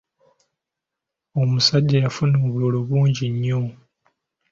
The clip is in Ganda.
Omusajja yafuna obululu bungi nnyo.